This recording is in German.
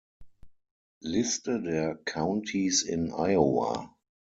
Liste der Countys in Iowa